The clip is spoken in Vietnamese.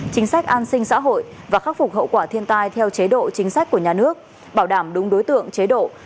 chính sách an sinh xã hội và khắc phục hậu quả thiên tai theo chế độ chính sách của nhà nước bảo đảm đúng đối tượng chế độ